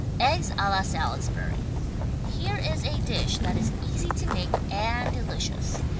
EGGS A LA SALISBURY Here is a dish that is easy to make and delicious.